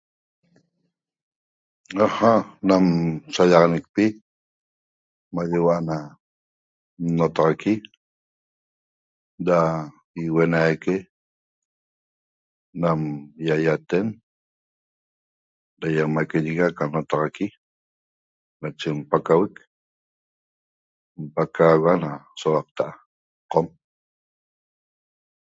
'Aja' nam sallaxanecpi maye huo'o ana nnotaxaqui da iuenaique nam ýaýaten da iamaquingui aca notaxaqui nache n'pacauec n'pacauga nam souaqta'a Qom